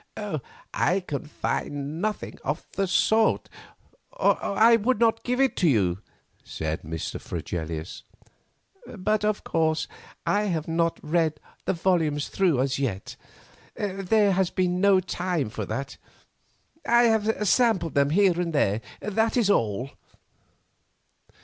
"I can find nothing of the sort, or I would not give it to you," said Mr. Fregelius. "But, of course, I have not read the volumes through as yet. There has been no time for that. I have sampled them here and there, that is all."